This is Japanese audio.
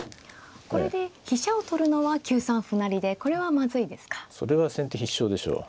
これで飛車を取るのは９三歩成でこれはまずいですか。